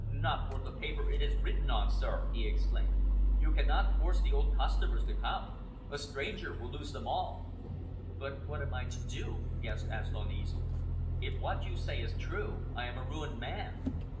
"Not worth the paper it is written on, sir!" he exclaimed. "You cannot force the old customers to come. A stranger will lose them all!" "But what am I to do?" Guest asked uneasily. "If what you say is true, I am a ruined man."